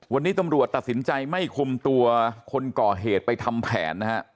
วันนี้ตำรวจตัดสินใจไม่คุมตัวคนก่อเหตุไปทำแผนนะฮะ